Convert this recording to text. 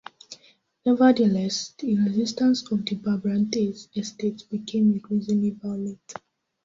Nevertheless, the resistance of the Brabante estates became increasingly violent.